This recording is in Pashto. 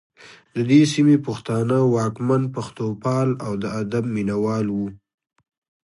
د دې سیمې پښتانه واکمن پښتوپال او د ادب مینه وال وو